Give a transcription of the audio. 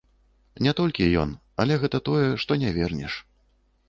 Не толькі ён, але гэта тое, што не вернеш.